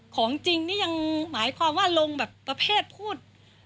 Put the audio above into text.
ของจริงนี่ยังหมายความว่าลงแบบประเภทพูด